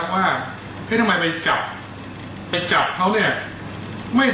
ว่าทำไมไปจับไปจับเขาเนี่ย